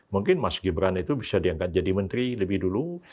mungkin mas gibran itu bisa diangkat jadi menteri lebih dulu